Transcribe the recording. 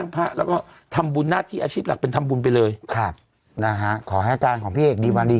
ไปเจอมะเร็งมี